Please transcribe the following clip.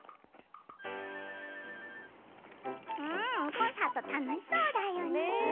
コンサート楽しそうだよね。